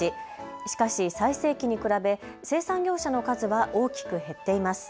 しかし最盛期に比べ生産業者の数は大きく減っています。